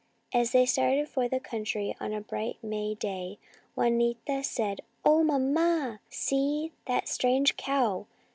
As they started for the country on a bright May day, Juanita said, " Oh, mamma, see that strange cow